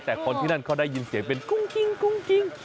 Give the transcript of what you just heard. แต่คนที่นั่นเขาได้ยินเสียงเป็นกุ้งกิ้ง